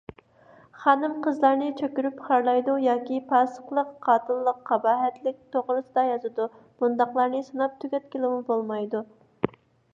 خانىم - قىزلارنى چۆكۈرۈپ خارلايدۇ ياكى پاسىقلىق، قاتىللىق، قاباھەتلىك توغرىسىدا يازىدۇ، بۇنداقلارنى ساناپ تۈگەتكىلىمۇ بولمايدۇ.